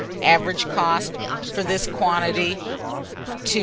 Average cost for this quantity, 2s.